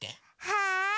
はい！